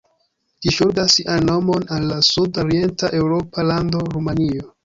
Ĝi ŝuldas sian nomon al la sud-orienta eŭropa lando Rumanio.